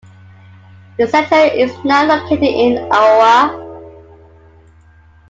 The Center is now located in Iowa.